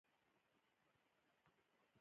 هوښیار خلک د نورو احساسات نه هیروي نه.